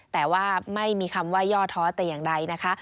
แต่ว่าไม่มีคำว่าย่อท้อแต่อย่างใดนะคะ